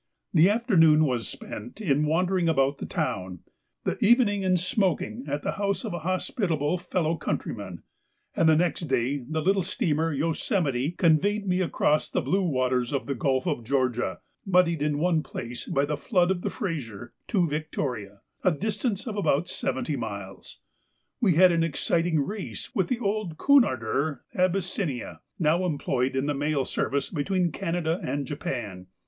The afternoon was spent in wandering about the town, the evening in smoking at the house of an hospitable fellow countryman, and the next day the little steamer 'Yosemite' conveyed me across the blue waters of the Gulf of Georgia, muddied in one place by the flood of the Fraser, to Victoria, a distance of about seventy miles. We had an exciting race with the old Cunarder 'Abyssinia,' now employed in the mail service between Canada and Japan.